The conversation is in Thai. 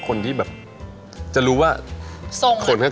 ก้าวเบื้องก้าว